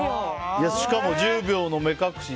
しかも１０秒の目隠し。